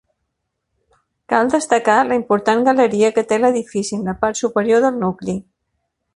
Cal destacar la important galeria que té l'edifici en la part superior del nucli.